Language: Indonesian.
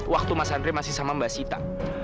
waktu mas andre masih sama mbak sita